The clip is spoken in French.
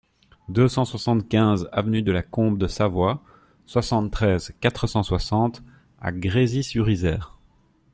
deux cent soixante-quinze avenue de la Combe de Savoie, soixante-treize, quatre cent soixante à Grésy-sur-Isère